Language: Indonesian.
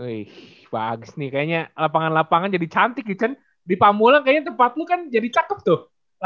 wih bagus nih kayaknya lapangan lapangan jadi cantik di cen di pamulang kayaknya tempat lu kan jadi cakep tuh